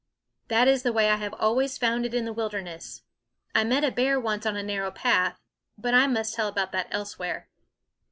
That is the way I have always found it in the wilderness. I met a bear once on a narrow path but I must tell about that elsewhere.